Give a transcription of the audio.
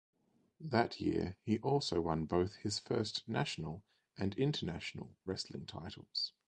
That year he also won both his first national and international wrestling titles.